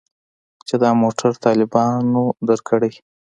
چې دا موټر طالبانو درکړى.